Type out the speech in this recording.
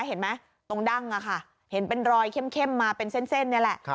เห็นไหมตรงดั้งค่ะเห็นเป็นรอยเข้มมาเป็นเส้นนี่แหละ